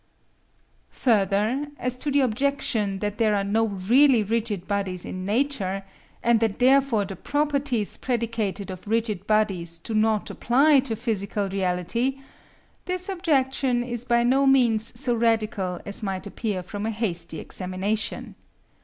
Further, as to the objection that there are no really rigid bodies in nature, and that therefore the properties predicated of rigid bodies do not apply to physical reality, this objection is by no means so radical as might appear from a hasty examination.